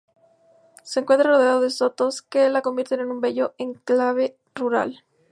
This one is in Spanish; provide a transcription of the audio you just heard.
Se encuentra rodeado de sotos que lo convierten en un bello enclave rural.